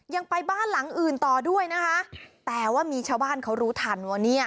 ยังไปบ้านหลังอื่นต่อด้วยนะคะแต่ว่ามีชาวบ้านเขารู้ทันว่าเนี่ย